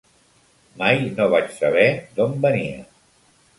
Mai no vaig saber d'on venia.